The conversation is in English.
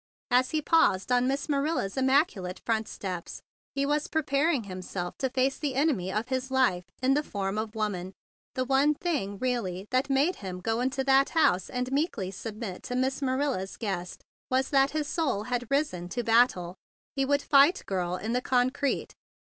As he paused on Miss Manila's immaculate front steps, he was prepar¬ ing himself to face the enemy of his life in the form of woman. The one thing really that made him go into that house and meekly submit to be Miss Manila's guest was that his soul had risen to bat¬ tle. He would fight Girl in the con¬ crete!